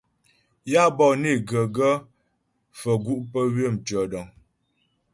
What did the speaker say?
Yǎ bɔ'ɔ né ghə gaə́ faə̀ gu' pə́ ywə̂ mtʉɔ̂dəŋ.